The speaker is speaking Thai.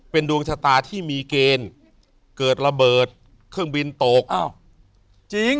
เป็นดวงชะตาที่มีเกณฑ์เกิดระเบิดเครื่องบินตกอ้าวจริง